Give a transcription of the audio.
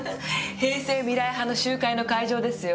平成未来派の集会の会場ですよ。